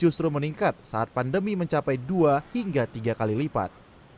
kondisi ini juga meningkat saat pandemi mencapai dua hingga tiga kali lipat